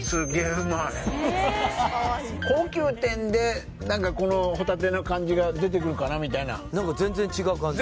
高級店で何かこのホタテの感じが出てくるかなみたいな何か全然違う感じ？